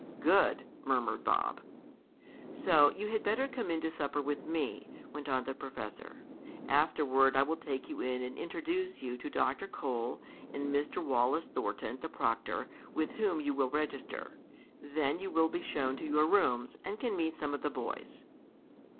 "Good!" murmured Bob. "So you had better come in to supper with me," went on the professor. "Afterward, I will take you in and introduce you to Dr. Cole, and Mr. Wallace Thornton, the proctor, with whom you will register. Then you will be shown to your rooms, and can meet some of the boys."